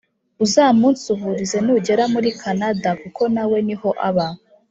Uzamunsuhurize nugera muri kanada kuko nawe niho aba